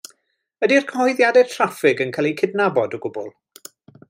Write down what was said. Ydy'r cyhoeddiadau traffig yn cael eu cydnabod o gwbl?